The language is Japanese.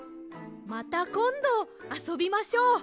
またこんどあそびましょう。